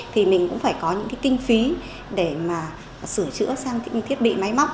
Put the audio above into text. thì mình cũng phải có những kinh phí để sửa chữa sang thiết bị máy móc